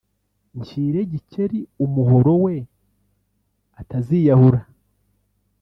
nshyire Gikeli umuhoro we ataziyahura